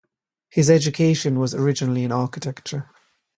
His education was originally in architecture.